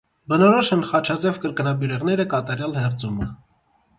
Բնորոշ են խաչաձև կրկնաբյուրեղները, կատարյալ հերձումը։